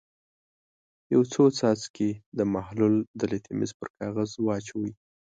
یو څو څاڅکي د محلول د لتمس پر کاغذ واچوئ.